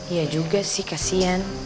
iya juga sih kasian